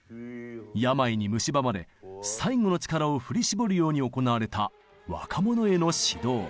病にむしばまれ最後の力を振り絞るように行われた若者への指導。